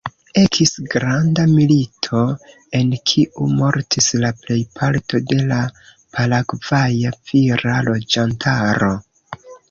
Ekis granda milito, en kiu mortis la plejparto de la Paragvaja vira loĝantaro.